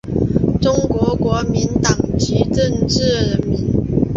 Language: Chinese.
中国国民党籍政治人物。